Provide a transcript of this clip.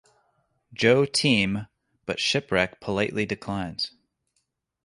Joe Team, but Shipwreck politely declines.